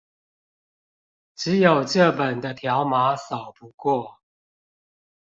只有這本的條碼掃不過